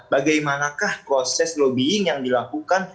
bagaimana kah proses lobbying yang dilakukan